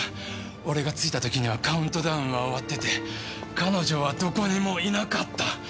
俺が着いた時にはカウントダウンは終わってて彼女はどこにもいなかった。